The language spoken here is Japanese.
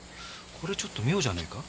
これちょっと妙じゃねえか？